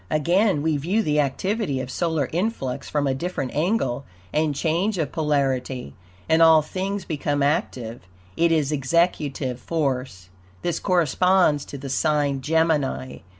Again we view the activity of solar influx from a different angle and change of polarity, and all things become active, It is executive force. This corresponds to the sign Gemini.